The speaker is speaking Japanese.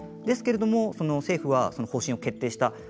ですけれど政府は方針を決定した。